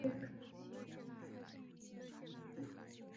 私掠船通常被利用来破坏敌国的海上贸易线。